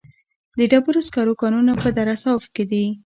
د ډبرو سکرو کانونه په دره صوف کې دي